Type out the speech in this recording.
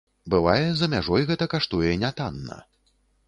Бывае, за мяжой гэта каштуе нятанна.